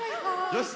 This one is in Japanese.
よし！